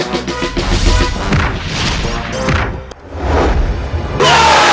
tidak sehat minggu minggu saja